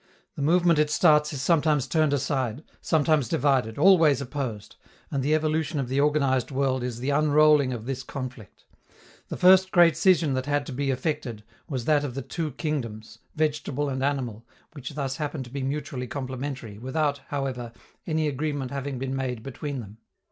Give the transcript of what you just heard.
The movement it starts is sometimes turned aside, sometimes divided, always opposed; and the evolution of the organized world is the unrolling of this conflict. The first great scission that had to be effected was that of the two kingdoms, vegetable and animal, which thus happen to be mutually complementary, without, however, any agreement having been made between them.